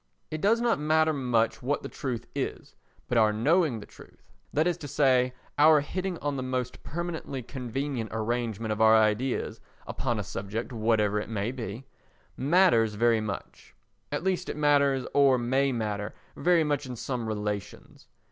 It does not matter much what the truth is, but our knowing the truth—that is to say our hitting on the most permanently convenient arrangement of our ideas upon a subject whatever it may be—matters very much; at least it matters, or may matter, very much in some relations.